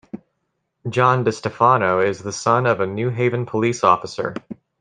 John DeStefano is the son of a New Haven police officer.